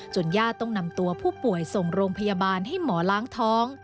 ญาติต้องนำตัวผู้ป่วยส่งโรงพยาบาลให้หมอล้างท้อง